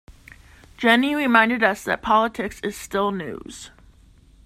Jenny reminded us that politics is still news.